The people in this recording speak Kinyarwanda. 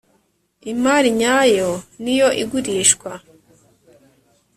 imari nyayo niyo igurishwa.